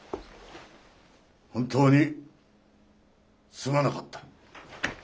本当にすまなかった。